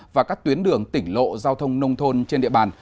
và các tuyến đường tỉnh lộ giao thông nông thôn trên địa bàn